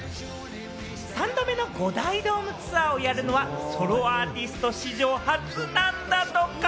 ３度目の５大ドームツアーをやるのはソロアーティスト史上初なんだとか。